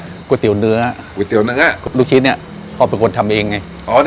เมนูก๋วยเตี๋ยวเนื้อดุ๊กชิ้นนะพ่อเป็นคนทำเองไง